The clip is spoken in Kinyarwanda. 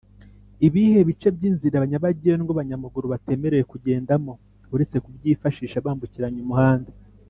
ibihe bice by’inzira nyabagendwa abanyamaguru batemerewe kugendamo uretse kubyifashisha bambukiranya umuhanda